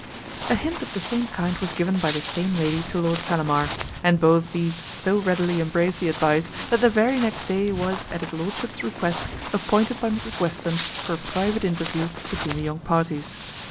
A hint of the same kind was given by the same lady to Lord Fellamar; and both these so readily embraced the advice that the very next day was, at his lordship's request, appointed by Mrs Western for a private interview between the young parties.